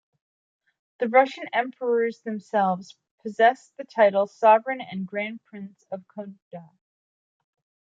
The Russian Emperors themselves possessed the title "Sovereign and Grand Prince of Konda".